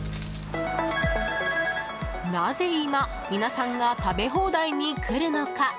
なぜ今、皆さんが食べ放題に来るのか？